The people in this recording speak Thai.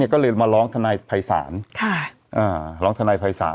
ก็เลยมาร้องทนายภัยศาลร้องทนายภัยศาล